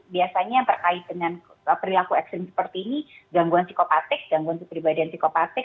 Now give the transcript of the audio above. biasanya yang terkait dengan perilaku ekstrim seperti ini gangguan psikopatik gangguan kepribadian psikopatik